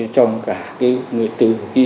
trong cả cái người tư